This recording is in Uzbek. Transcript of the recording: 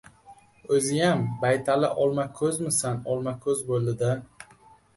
O‘ziyam, baytali Olmako‘zmisan, Olmako‘z bo‘ldi-da!